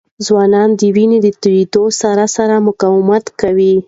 ځوانان د وینې د تویېدو سره سره مقاومت کوي.